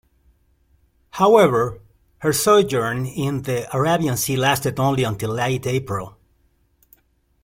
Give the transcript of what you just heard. However, her sojourn in the Arabian Sea lasted only until late April.